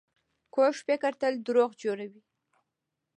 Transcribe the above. کوږ فکر تل دروغ جوړوي